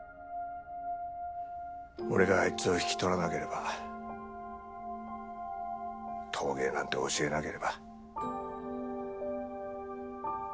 俺があいつを引き取らなければ陶芸なんて教えなければ。